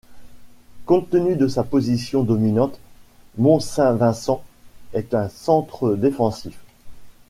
Compte tenu de sa position dominante, Mont-Saint-Vincent est un centre défensif.